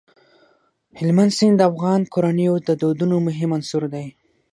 هلمند سیند د افغان کورنیو د دودونو مهم عنصر دی.